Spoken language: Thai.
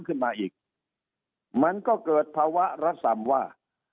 ขึ้นมาอีกมันก็เกิดภาวะระส่ำว่า